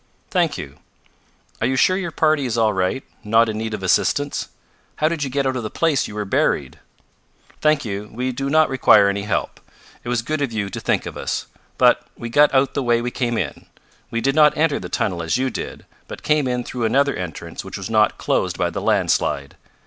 "Thank you! Are you sure your party is all right not in need of assistance? How did you get out of the place you were buried?" "Thank you! We do not require any help. It was good of you to think of us. But we got out the way we came in. We did not enter the tunnel as you did, but came in through another entrance which was not closed by the landslide.